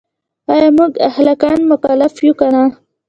ایا موږ اخلاقاً مکلف یو که نه؟